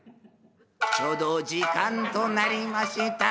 ちょうど時間となりました